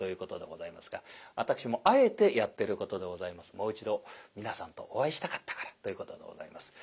もう一度皆さんとお会いしたかったからということでございます。